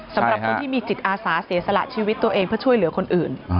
สำหรับคนที่มีจิตอาสาเสียสละชีวิตตัวเองเพื่อช่วยเหลือคนอื่น